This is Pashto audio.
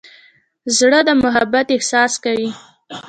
زړه د محبت احساس کوي.